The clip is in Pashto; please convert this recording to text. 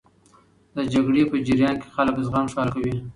د جګړې په جریان کې خلک زغم ښکاره کوي.